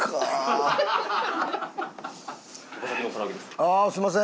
ああすみません。